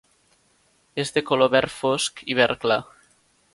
És de color verd fosc i verd clar.